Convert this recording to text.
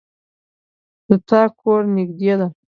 د تا کور نږدې ده